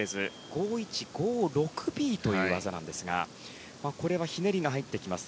５１５６Ｂという技なんですがこれはひねりが入ってきます。